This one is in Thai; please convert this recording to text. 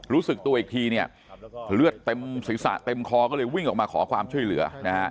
รู้สึกตัวอีกทีเนี่ยเลือดเต็มศีรษะเต็มคอก็เลยวิ่งออกมาขอความช่วยเหลือนะฮะ